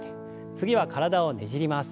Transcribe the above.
次は体をねじります。